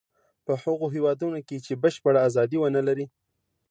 په هغو هېوادونو کې چې بشپړه ازادي و نه لري.